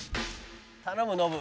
「頼むノブ！